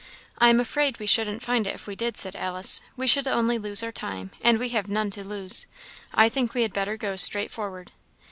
"I am afraid we shouldn't find it if we did," said Alice; "we should only lose our time, and we have none to lose. I think we had better go straight forward."